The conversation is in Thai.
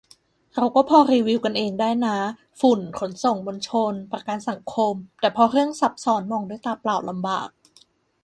เราก็พอรีวิวกันเองได้นะ ฝุ่น ขนส่งมวลชน ประกันสังคม แต่พอเรื่องซับซ้อนมองด้วยตาเปล่าลำบาก